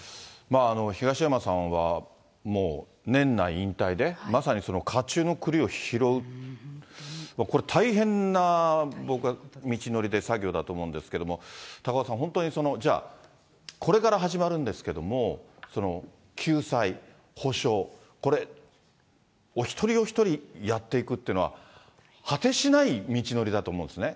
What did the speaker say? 東山さんは、もう年内引退で、まさにその火中のくりを拾う、これ大変な僕は道のりで、作業だと思うんですけれども、高岡さん、本当にじゃあ、これから始まるんですけども、救済、補償、これ、お一人お一人やっていくっていうのは、果てしない道のりだと思うんですね。